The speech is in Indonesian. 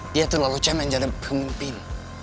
dia terlalu cemen jadi pemimpin